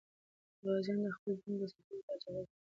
غازیان د خپل دین د ساتنې لپاره جګړه کوي.